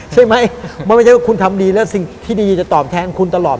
ใช่ไหมไม่ใช่ว่าคุณทำดีแล้วสิ่งที่ดีจะตอบแทนคุณตลอด